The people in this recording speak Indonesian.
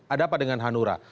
ada apa dengan hanura